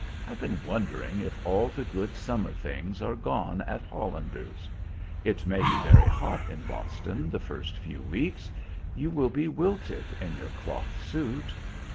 I've been wondering if all the good summer things are gone at Hollander's. It may be very hot in Boston the first few weeks. You will be wilted in your cloth suit."